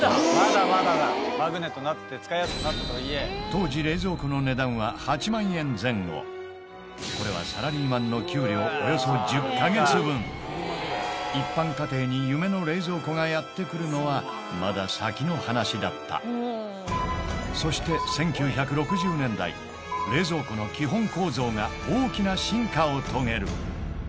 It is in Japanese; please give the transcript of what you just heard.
当時冷蔵庫の値段はこれはサラリーマンの一般家庭に夢の冷蔵庫がやって来るのはまだ先の話だったそして１９６０年代冷蔵庫の基本構造が大きな進化を遂げる